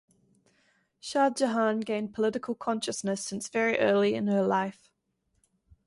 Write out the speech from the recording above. Shahjahan gained political consciousness since very early in her life.